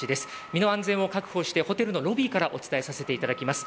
身の安全を確保してホテルのロビーからお伝えさせていただきます。